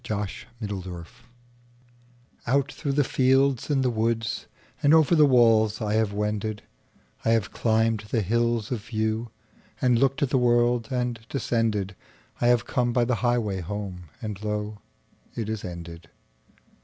Reluctance OUT through the fields and the woodsAnd over the walls I have wended;I have climbed the hills of viewAnd looked at the world, and descended;I have come by the highway home, And lo, it is ended.